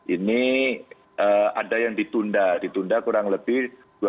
ini ada yang ditunda ditunda kurang lebih dua puluh sembilan lima ratus sembilan puluh empat